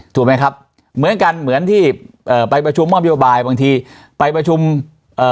ถูกไหมครับเหมือนกันเหมือนที่เอ่อไปประชุมมอบนโยบายบางทีไปประชุมเอ่อ